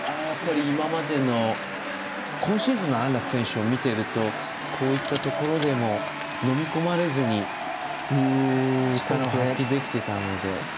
今シーズンの安楽選手を見てるとこういったところでものみ込まれずに力を発揮できてたので。